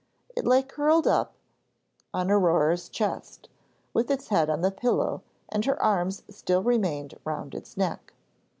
It lay curled up on Aurore's chest, with its head on the pillow and her arms still remained round its neck.